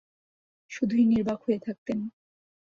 শুধুই নির্বাক হয়ে থাকতেন।